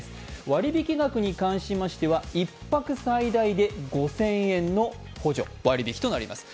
割引額に関しましては１泊最大で５０００円の補助、割引となります。